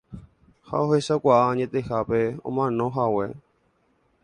Ha ohechakuaa añetehápe omanohague.